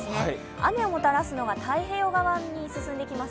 雨をもたらすのが太平洋側に進んできます